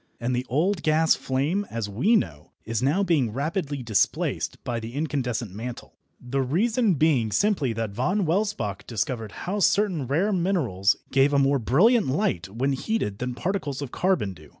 And the old gas flame, as we know, is now being rapidly displaced by the incandescent mantle, the reason being simply that Von Welsbach discovered how certain rare minerals gave a more brilliant light when heated than particles of carbon do.